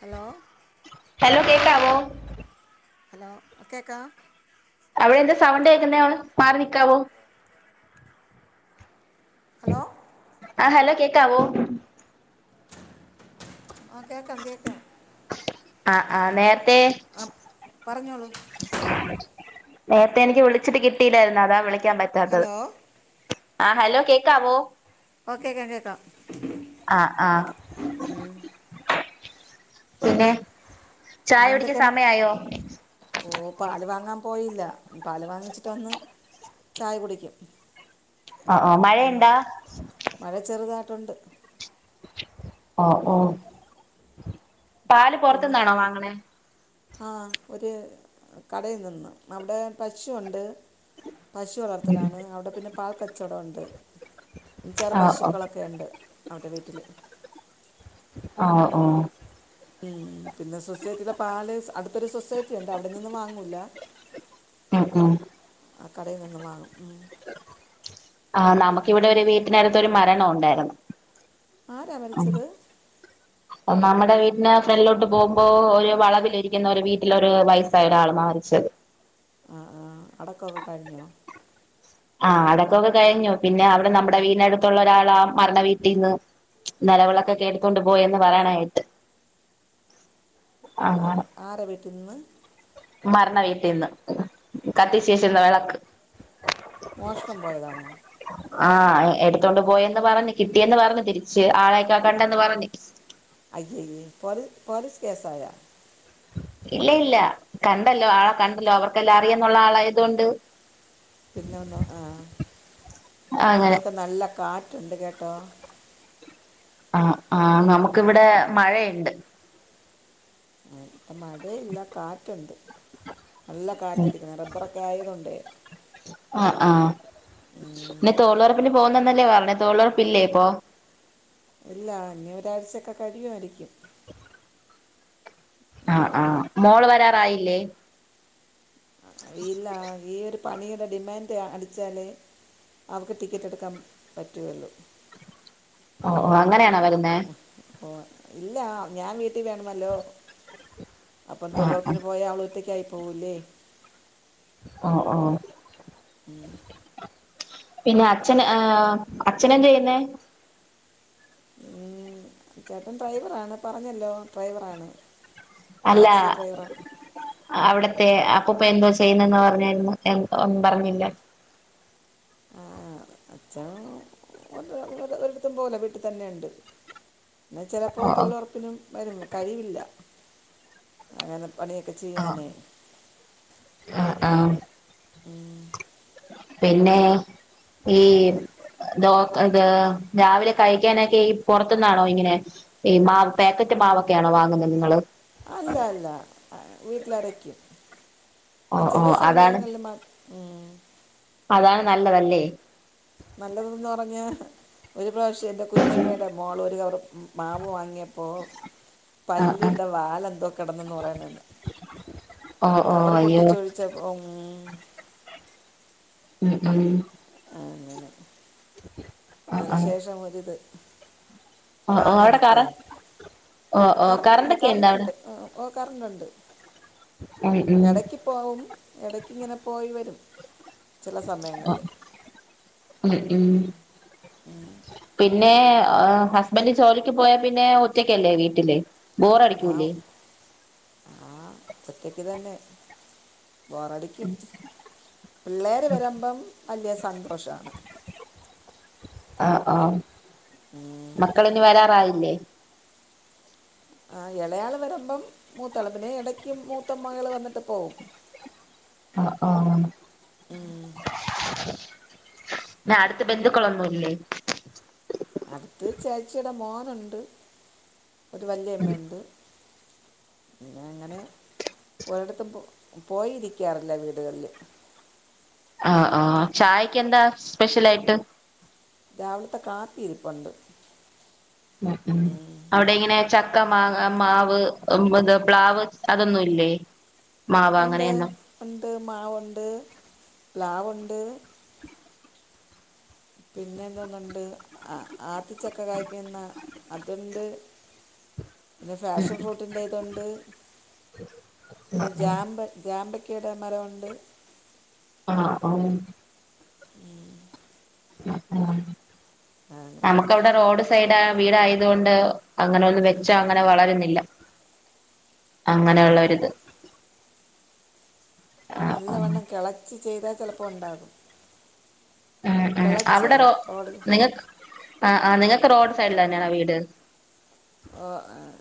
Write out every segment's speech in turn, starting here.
Hello hello കേക്കാവോ hello കേക്കാം അവിടെ എന്താ സൗണ്ടേക്കുന്നേ അവട് മാറി നിക്കാവോ ഹലോ ആഹ് ഹലോ കേക്കാവോ ആഹ് കേക്കാം കേക്കാം അ അ നേരത്തേ ആ പറഞ്ഞോളൂ നേരത്തെ എനിക്ക് വിളിച്ചിട്ട് കിട്ടിയില്ലായിരുന്നു അതാ വിളിക്കാൻ പറ്റാത്തത് ഹലോ ആഹ് ഹലോ കേക്കാവോ ഓ കേക്കാം കേക്കാം ആ ആ ഉം പിന്നേ പിന്നെന്തൊക്കെണ്ട് ഓഹ് പാല് വാങ്ങാൻ പോയില പാല് വാങ്ങിച്ചിട്ട് വന്ന് ചായ കുടിക്കും അ ആഹ് ഉം. മഴയ്ണ്ടാ മഴ ചെറുതായിട്ടുണ്ട് ഒ ഉം. ഓഹ് പാല് പൊറത്ത്ന്നാണോ വാങ്ങണേ ആഹ് ഒരു കടയിൽ നിന്ന് അവിടെ പശുണ്ട് പശു വളർത്തലാണ് അവിടെ പിന്നെ പാൽക്കച്ചവടണ്ട് ഇഞ്ചാറ് ഓ ഓ പശുക്കളൊക്കെ ഇണ്ട് അവര വീട്ടില് ആഹ് ഓഹ് ഉം പിന്നെ സൊസൈറ്റിലെ പാല് അടുത്തൊരു സൊസൈറ്റിണ്ട് അവിടെ നിന്നും വാങ്ങൂല്ല ഉം ഉം അ കടയിൽ നിന്നും വാങ്ങും ഉം ആഹ് പിന്നെ നമുക്കിവിടെ ഒരു വീട്ടിനട്ത്തൊരു മരണുണ്ടായിരുന്നു ആരാ മരിച്ചത് [inaudible] നമ്മടെ വീട്ടിന് ഫ്രണ്ടിലോട്ട് പോകുമ്പോ ഒരു വളവിലിരിക്കുന്ന ഒരു വീട്ടിലൊരു വയസ്സായ ഒരാൾ മാരിച്ചത് ആഹ് ആഹ് അടക്കൊക്കെ കഴിഞ്ഞോ ആഹ് അടക്കൊക്കെ കഴിഞ്ഞു പിന്നെ അവിടെ നമ്മുടെ വീടിനടുത്തുള്ള ഒരാളാ മരണ വീട്ടീന്ന് നില വിളക്കൊക്കെ എടുത്തോണ്ട് പോയെന്ന് പറേണ കേട്ട് അ അങ്ങനെ ആഹ് ആരെ വീട്ടിന്ന് മരണ വീട്ടിന്ന് കത്തിച്ചെച്ചീള വിളക്ക് മോഷണം പോയതാണോ ആഹ് എടുത്തോണ്ട് പോയെന്ന് പറഞ്ഞ് കിട്ടിയെന്ന് പറഞ്ഞ് തിരിച്ച് ആളേക്കെ കണ്ടെന്ന് പറഞ്ഞ് അയ് ശെരി പോലീ പോലീസ് കേസായ ഇല്ല ഇല്ല കണ്ടല്ലോ ആളെ കണ്ടല്ലോ അവർക്കെല്ലാ അറിയന്നുള്ള ആളായതൊണ്ട് പിന്നെ ഒന്നു ആഹ് അങ്ങനെ ഇവിടെക്കെ നല്ല കാറ്റുണ്ട് കേട്ടോ ആഹ് ആഹ് നമുക്കിവിടെ മഴയ്ണ്ട് ഉം ഇപ്പം മഴയില്ല കാറ്റുണ്ട് നല്ല കാറ്റടിക്കുന്നത് റബ്ബറൊക്കെയായതോണ്ടേ ആഹ് ആഹ് ഉം. പിന്നെ തോളുറപ്പിന് പോകുന്നന്നല്ലേ പറഞ്ഞ തോളുറപ്പില്ലേ ഇപ്പോ ഇല്ലാ ഇനി ഒരാഴ്ചൊക്കെ കഴിയുയായിരിക്കും [inaudible] ആഹ് ആഹ് മോള് വരാറായില്ലേ അ ഇല്ലാ ഈ ഒരു പണിയുടെ ഡിമാൻഡ് അടിച്ചാല് അവക്ക് ടിക്കറ്റ് എടുക്കാൻ പറ്റു ഉള്ളൂ ഓ ഓ അങ്ങനെയാണോ വരുന്നേ ഓഹ് ഇല്ലാ ഞാൻ വീട്ടിൽ വേണമല്ലോ അപ്പം ആഹ് ആഹ് തൊഴിലോറപ്പിന് പോയാ അവള് ഒറ്റക്കായി പോവൂല്ലേ ഓഹ് ഓഹ് പിന്നെ അച്ഛൻ ഏഹ് അച്ഛനെന്തെയ്യുന്നേ ഉം ചേട്ടൻ ഡ്രൈവറാണ് പറഞ്ഞല്ലോ ഡ്രൈവറാണ് അല്ലാ ടാക്സി ഡ്രൈവറാണ് അവിട്ത്തെ അപ്പൂപ്പൻ എന്തോ ചെയ്യണേന്നാ പറഞ്ഞാരുന്ന് എ ഒന്നും പറഞ്ഞില്ല ആഹ് അച്ഛൻ ഒ ഒരടത്തും പോവൂല വീട്ടിൽ തന്നെ ഉണ്ട് പിന്നെ ചിലപ്പോ ഓ ഓ തൊഴിലോറപ്പിനും വരും കഴിവില്ല അങ്ങനെ പണിയൊക്കെ ആഹ് ചെയ്യാനേ ആഹ് ആഹ് ഉം പിന്നേ ഈ ദോ ഇത് രാവിലെ കഴിക്കാനൊക്കെ ഈ പുറത്തുന്നാണോ ഇങ്ങനെ ഈ മാവ് പാക്കറ്റ് മാവൊക്കെയാണോ വാങ്ങുന്നത് നിങ്ങള് അല്ല അല്ല വീട്ടില് അരക്കും ഓ ഓ ചില അതാണ് സമയങ്ങളില് മാ ഉം അതാണ് നല്ലതല്ലേ നല്ലതെന്ന് പറഞ്ഞാ ഒരു പ്രാവശ്യം എൻ്റെ കുഞ്ഞമ്മേടെ മോള് ഒരു കവറ് മാവ് വാങ്ങിയ പ്പോ ആഹ് ആഹ് പല്ലിടെ വാലെന്തോ കിടന്നെന്ന് പറയണേ [inaudible] ഓഹ് ഓഹ് അയ്യോ ച്ചേ ഉം ഉം ഉം ആഹ് അങ്ങനെ ആഹ് ആഹ് അതിനുശേഷം ഒരിത് ഓ ഓ അവിടെ വാങ്ങാനൊക്കെയേ കറ ഓ ഓ കറണ്ടൊണ്ട് കറണ്ടൊക്കെ ഇണ്ട അവിടെ കറണ്ടൊണ്ട് ഓഹ് കറണ്ട് ഒണ്ട് ഉം എടക്ക് പോവും എടക്കിങ്ങനെ പോയി വരും ചില ഉം സമയങ്ങളില് ഉം ഉം പിൻ ന്നെ ഹസ്ബൻഡ് ജോലിക്ക് പോയാ പിന്നെ ഒറ്റക്കല്ലേ വീട്ടില് ആഹ് ബോറടിക്കൂലേ ആഹ് ഒറ്റക്ക് തന്നെ ബോറടിക്കും പിള്ളേര് വരുമ്പം വലിയ സന്തോഷാണ് ആഹ് ആഹ് മക്കളിഞ്ഞ് വരാറായില്ലേ ആഹ് ഇളയാള് വരുമ്പം മൂത്താള് പിന്നെ ഇടക്കും മൂത്ത മകള് വന്നിട്ട് പോവും ആഹ് ആഹ് അടുത്ത് ബന്ധുക്കളൊന്നും ഇല്ലേ അടുത്ത് ചേച്ചിടെ മോനോണ്ട് ഒരു വല്യമ്മണ്ട് പിന്നെ അങ്ങനെ ഒരിടത്തും പോ പോയി ഇരിക്കാറില്ല വീടുകളില് ആഹ് ആഹ് ചായക്ക് എന്താ സ്പെഷ്യൽ ആയിട്ട് രാവിലത്തെ കാപ്പി ഇരിപ്പൊണ്ട് ഉം ഉം അവിടെ എങ്ങനെ ചക്ക മാങ്ങ മാവ് ഇത് പ്ലാവ് അതൊന്നും ഇല്ലേ മാവ് ഒണ്ട് അങ്ങനെയൊന്നും ഒണ്ട് മാവൊണ്ട് പ്ലാവൊണ്ട് പിന്നെ എന്തോന്നൊണ്ട് ആത്തിച്ചക്ക കായ്ക്കുന്ന അതുണ്ട് [inaudible] പിന്നെ ഉം ഫാഷൻ ഫ്രൂട്ടിന്റെ ഇതുണ്ട് പിന്നെ ഉം ജാമ്പ ജാമ്പ ക്ക മരം ഒണ്ട് ആഹ് ആഹ് ആഹ് ആഹ് അങ്ങനെ നമ്മക്കവ്ടെ റോഡ് സൈഡ് വീട് ആയത് കൊണ്ട് അങ്ങനൊന്നും വെച്ചാ അങ്ങനെ വളരുന്നില്ല ആ അങ്ങനെ ഒള്ള ഒരിത് അത് നല്ലവണ്ണം കെളച്ച് ചെയ്താ ചെലപ്പോ ഉണ്ടാകും ഉം കെളച്ചേ ഓട് ആഹ് ആഹ് നിങ്ങക്ക് റോഡ് സൈഡില് തന്നയാണോ വീട് ഓഹ് ആഹ്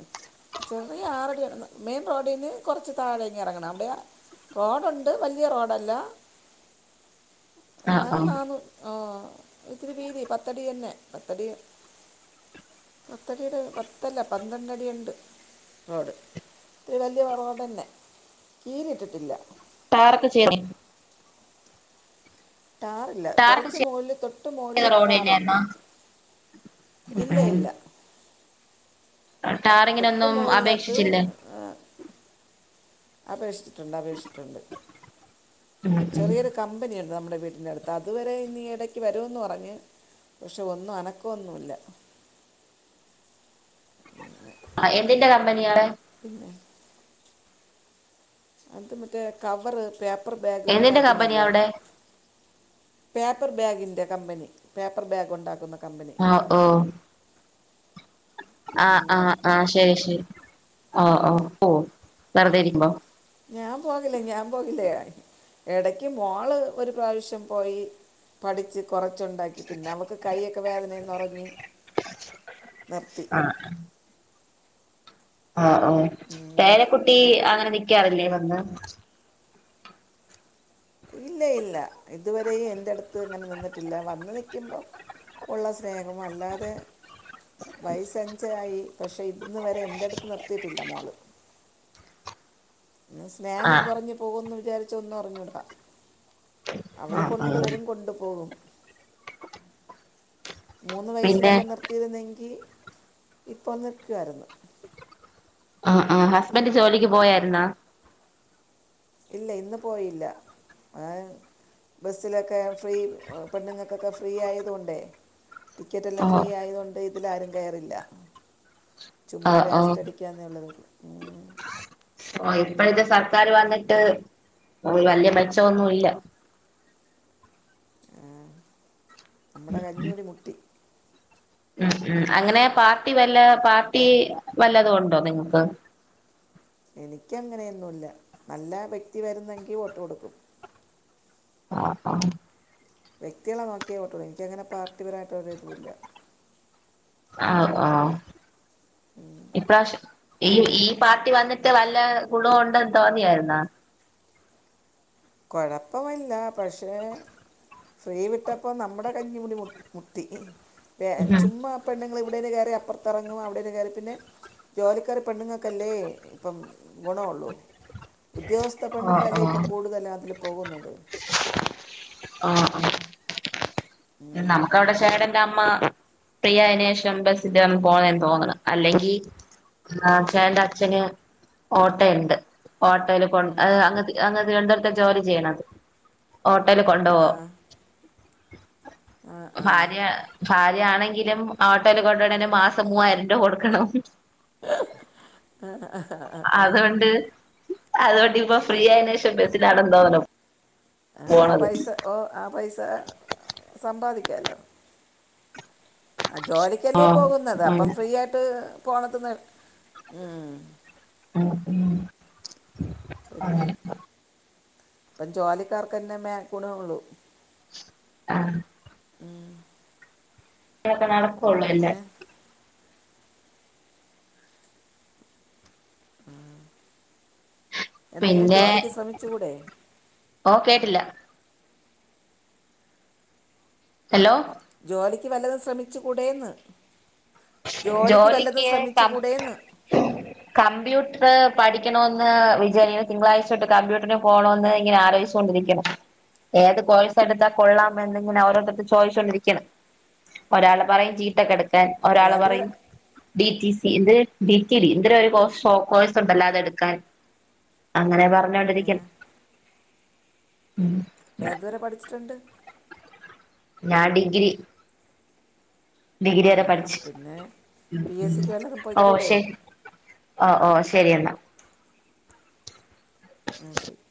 ചെറിയ ആറടി മെയിൻ റോഡീന്ന് കുറച്ച് താഴേക്ക് ഇറങ്ങണം അവിടെയാ റോഡ് ഒണ്ട് വലിയ റോഡല്ല [inaudible] ആ ആ എന്നാലും നാന്നു ആഹ് ഇച്ചിരി വീതി പത്തടി തന്നെ പത്തടി. പത്തടീടെ പത്ത. ത്തല്ല പന്ത്രണ്ടടിയുണ്ട് റോഡ് ത്തിരി വല്ല്യ റോ റോഡന്നെ. ലീവ് കിട്ടത്തില്ല. ടാറൊക്കെ ചെയ്യണെ. ട്ടാർ. ഇല്ല ടാറൊക്കെ കൊറച്ച് മോളില് തൊട്ട് മോളിൽ ചെയ്ത റോഡ് താറുണ്ട് തന്നെയായിരുന്നോ ഇല്ല ഇല്ല. ആഹ് ട്ടാർ. തൊട്ട് മോളില്ലാട്ട് ഏഹ്. അപേക്ഷിച്ചിട്ടുണ്ട് അപേക്ഷിച്ചിട്ടുണ്ട് ഉം ഉം ചെറിയൊരു. കമ്പനിയുണ്ട് നമ്മുടെ വീട്ടിൻ്റെ അടുത്ത് അതുവരെ ഇനി എടയ്ക്ക് വരുന്ന് പറഞ്ഞ്. പക്ഷെ ഒന്നും അനക്കൊന്നുല്ല. ആഹ് എന്തിന്റെ കമ്പനിയാണ്? പിന്നെ അത് മറ്റേ കവറ് പേപ്പ. പ്പർ ബാഗ് എന്തിന്റെ കമ്പനിയാ ഉണ്ടാക്കുന്നില്ലേ? അവിടെ പേപ്പർ ബാഗിന്റെ കമ്പനി പേപ്പർ ബാഗ് ഉണ്ടാക്കുന്ന. കമ്പനി ആഹ് ഓ ആഹ് ആഹ് ആഹ് ശരി ശരി. ആഹ് ആഹ് ഓ വെറുതെ ഇരിക്കുമ്പോ. ഞാൻ പോന്നില്ലേ ഞാൻ പോകില്ലാ ഇടക്ക് മോള് ഒരു പ്രാവശ്യം പോയി പഠിച്ച് കൊറച്ചുണ്ടാക്കി പിന്നെ അവക്ക് കൈയ്യൊക്കെ വേദനേ ന്നറഞ്ഞ് നിർത്തി. ആഹ്. ആഹ് ഓ ഉം. പേരക്കുട്ടി അങ്ങനെ നിക്കാറില്ലേ വന്ന്. ഇല്ല ഇല്ല ഇതുവരേ എന്റെ അടുത്ത് ഇങ്ങനെ നിന്നിട്ടില്ല വന്ന് നൽക്കുമ്പം. ഉള്ള സ്നേഹം അല്ലാതെ. വയസ്സഞ്ചായി പക്ഷേ ഇന്ന് വരെ എൻ്റെ അടുത്ത് നിർത്തിയിട്ടില്ല മോള്. ന്നെ സ്നേഹം ആഹ് കൊറഞ്ഞു പോകുംന്ന് വിചാരിച്ചോന്നും അറിഞ്ഞൂടാ. അവള് ആഹ് കൊണ്ട് ആഹ് വരും കൊണ്ടു പോകും. മൂന്ന് പിന്നെ വയസ്സിലൊക്കെ നിർത്തിയിരുന്നെങ്കി ഇപ്പൊ നിർക്കുവായിരുന്നു. ആഹ് ആഹ് ഹസ്ബൻഡറ് ജോലിക്ക് പോയായിരുന്നാ? ഇല്ല ഇന്ന് പോയില്ല ആഹ് ബസ്സിലൊക്കെ ഫ്രീ ഏഹ് പെണ്ണുങ്ങക്കൊക്കെ ഫ്രീ ആയതുതോണ്ടേ. ടിക്കറ്റെല്ലാം ഫ്രീ ഓഹ് ആയതുകൊണ്ട് ഇതിലാരും കയറില്ല ചുമ്മാ ആഹ് ആഹ് വേസ്റ്റടി. ക്ക ന്നുള്ളതേള്ളൂ ഉംഹ് ആഹ് ഇപ്പോഴത്തെ സർക്കാര് വന്നിട്ട് വല്ല്യ മെച്ചോന്നുല്ല. ആഹ് നമ്മുടെ കഞ്ഞൂടി മു. ഉം ഉം അങ്ങനെ പാർട്ടി വല്ല പാർട്ടി വല്ലതുണ്ടോ നിങ്ങൾക്ക്? എനിക്കങ്ങനെയ്ന്നുല്ല നല്ല വ്യക്തി വരുന്നെങ്കിൽ വോട്ട് കൊടുക്കും. ആഹ് ആഹ്. വ്യക്തികളെ നോക്കിയേ വോട്ടൊള്ളു എിനിക്കങ്ങനെ പാർട്ടിപരായിട്ടൊരുതുല്ല. ആഹ് ആഹ് ഇപ്രാശ. ഈ ഈ പാർട്ടി വന്നിട്ട് വല്ല ഗുണ ഉണ്ടന്ന് തോന്നിയായിരുന്നാ? കൊഴപ്പമല്ല പക്ഷേ. ഫ്രീ വിട്ടപ്പോ നമ്മുടെ കഞ്ഞിമുടി മു മുട്ടി ഉം ചുമ്മാ. പെണ്ണുങ്ങൾ ഇവിടുന്ന് കേറി അപ്പർത്തെറങ്ങും. അവിടേന്ന് കേറി പിന്നെ ജോലിക്കാര് പെണ്ണുങ്ങക്കല്ലേ ഇപ്പം ഗുണേള്ളൂ. ഉദ്യോഗസ്ഥ ആഹ് പെണ്ണുങ്ങളല്ലേ ഇപ്പം ആഹ് കൂടുതലാതിൽ പോകുന്നത്. ആഹ് ആഹ് ഉം. നമുക്കവിടെ ശെടന്റെമ്മ. ഫ്രീ ആയിനേഷം ബസ്സ്ലാണ് പോന്നെ തോന്നണ് അല്ലെങ്കി. ആഹ് ഛാന്റെ അച്ഛന് ഓട്ടെണ്ട്. ഓട്ടോല് കൊണ്ട് ഉം. അങ്ങ് അങ്ങത്തെ ഞാന് തിരുവനന്തപുരത്തെ ജോലി ചെയ്യണത് ഹോട്ടല് കൊണ്ടൊവോ ആആഹ് ഭാര്യ ഭാര്യയാണെങ്കിലും ഓട്ടല് കൊണ്ട്ണെന് മാസം മൂവായിരം രൂപ കൊടുക്കണം അതൊണ്ട് അതോണ്ടിപ്പോ ഫ്രീ ആയേനേശേഷം ബസ്സിലാണെന്ന് തോന്നണേ അപ്പൊ ആപൈസ ഓ ആപൈസ സംബ്ബാദിക്കാല്ലോ ആ ജോലിക്കല്ലേ ആഹ് പോകുന്നത് അപ്പം അങ്ങനെ ഫ്രീ ആയിട്ട് പോണത് ഉം അതെ പിന്നെ ഇപ്പം ജോലിക്കാർക്കന്നെ മേ ഗുണേള്ളൂ ആഹ് അങ്ങനെക്കെ നടക്കോള്ളു പിന്നെ എല്ലാം ആ എന്തെങ്കിലും പിന്നെ ജോലിക്ക് ശ്രമിച്ചു കൂടെ ഓ കേട്ടില്ല ഹലോ ജോലിക്ക് വല്ലതും ശ്രമിച്ചുകൂടെന്ന് ജോലിക്ക് വല്ലതും ശ്രമിച്ചുകൂടെന്ന് [unintelligible] കമ്പ്യൂട്ടർ പഠിക്കണോന്ന് വിജാരി തിങ്കളാഴ്ചോട്ട് കമ്പ്യൂട്ടറിന് പോണോന്ന് ഇങ്ങനെ ആലോചി ഏത് കോഴ്‌സ് എടുത്താ കൊള്ളാം എന്നിങ്ങനെ ഓരോരുത്തര്ത്ത് ചോയിച്ചോണ്ടിരിക്കാണ് ഒരാള് പറയും ജീ ടെക്ക് എട്ക്കാൻ ആ, ഒരാള് പറ ഏതുവരെ ഡി റ്റി സി ഇത് ഡീറ്റലി എന്തൊരു കോഴ്സ്ണ്ടല്ലോ അത് എടുക്കാന് അങ്ങനെ ഏ, പറഞ്ഞോണ്ടിരിക്ക്ണ് ഉം ഏതുവരെ പഠിച്ചിട്ടുണ്ട് ഞാൻ ഡിഗ്രി ഡിഗ്രി ആ, വരെ പഠിച്ച് പിന്നെ ഉം പി എസ് ഉം സിക്ക് വല്ലതും ഓ പോയിക്കൂടെ ശെരി ഓ ഓ ശരി എന്നാ ന്നാ ശരി